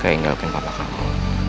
kayak yang gak lupain papa kamu